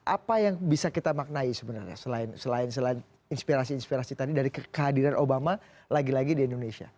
apa yang bisa kita maknai sebenarnya selain inspirasi inspirasi tadi dari kehadiran obama lagi lagi di indonesia